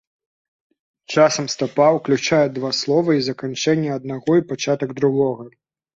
Часам стапа ўключае два словы ці заканчэнне аднаго і пачатак другога.